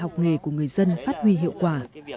học nghề của người dân phát huy hiệu quả